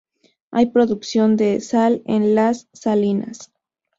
Hay producción de sal en Las Salinas.